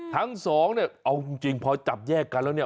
ทั้งสองเนี่ยเอาจริงพอจับแยกกันแล้วเนี่ย